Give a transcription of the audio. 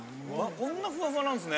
・こんなふわふわなんすね。